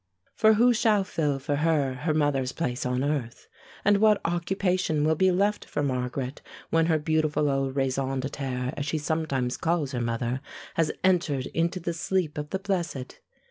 For who shall fill for her her mother's place on earth and what occupation will be left for Margaret when her "beautiful old raison d'être," as she sometimes calls her mother, has entered into the sleep of the blessed?